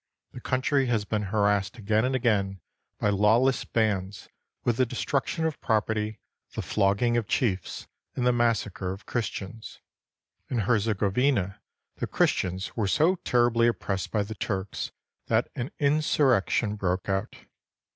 The country has been harassed again and again by lawless bands, with the destruction of property, the flogging of chiefs, and the massacre of Christians. In Herzegovina, the Christians were so terribly oppressed by the Turks that an insurrection broke out.